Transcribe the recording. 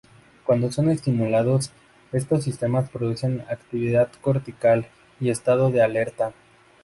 Cuando son estimulados, estos sistemas producen actividad cortical y estado de alerta.